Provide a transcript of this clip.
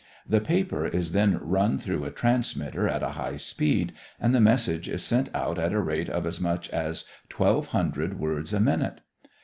The paper is then run through a transmitter at a high speed and the message is sent out at a rate of as much as twelve hundred words a minute.